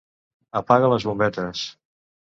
Apaga les bombetes.